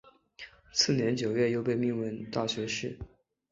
次年九月又被命为大学士。